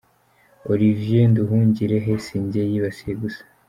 Olivier Nduhungirehe, si njye yibasiye gusa.